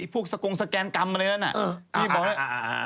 พวกสกงสแกนกรรมอะไรอย่างนั้น